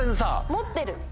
持ってる。